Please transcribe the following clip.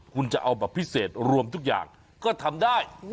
คุณจะเอาแบบพิเศษรวมทุกอย่างก็ทำได้